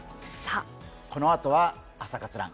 このあとは、「朝活ＲＵＮ」